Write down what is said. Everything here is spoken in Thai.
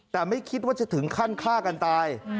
แต่ไม่คิดว่าจะถึงขั้นฆ่ากันตาย